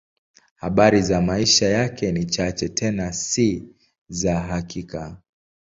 Habari za maisha yake ni chache, tena si za hakika.